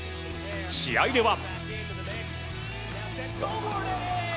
試合では。